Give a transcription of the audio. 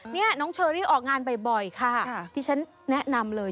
นี่น้องเชอรี่ออกงานบ่อยค่ะที่ฉันแนะนำเลย